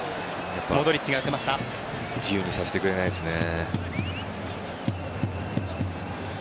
やっぱり自由にさせてくれないですね。